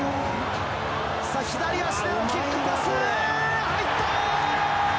左足でのキックパス、入った！